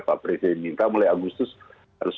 pak presiden minta mulai agustus harus